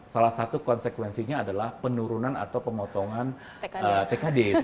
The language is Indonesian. salah satu konsekuensinya adalah penurunan atau pemotongan tkd